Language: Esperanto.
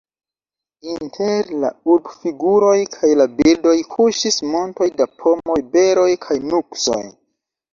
Inter la urbfiguroj kaj la birdoj kuŝis montoj da pomoj, beroj kaj nuksoj.